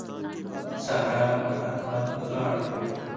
سارا پر احمد غاړه کوي.